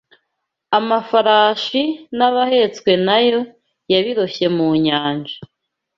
Amafarashi n’abahetswe na yo yabiroshye mu nyanja